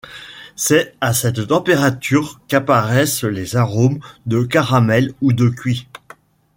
C'est à cette température qu'apparaissent les arômes de caramel ou de cuit.